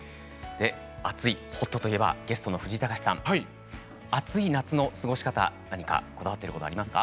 あつい、ホットといえばゲストの藤井隆さん暑い夏の過ごし方何かこだわっているものはありますか。